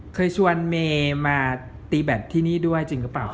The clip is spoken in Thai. เคยชวนเมย์มาตีแบตที่นี่ด้วยจริงหรือเปล่า